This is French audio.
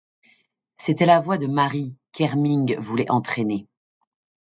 C’était la voix de Marie, qu’Herming voulait entraîner.